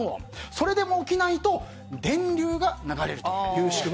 それでも起きないと電流が流れるという仕組みに。